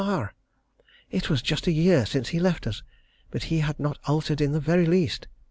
It was just a year since he left us, but he had not altered in the very least.